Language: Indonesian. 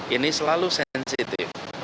ini selalu sensitif